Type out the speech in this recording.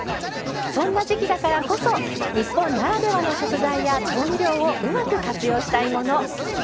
そんな時季だからこそ日本ならではの食材や調味料をうまく活用したいもの。